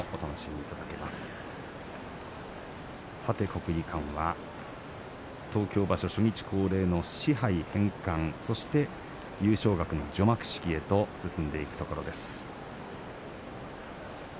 国技館は東京場所初日恒例の賜盃返還、そして優勝額の除幕式へと進んでいくところです。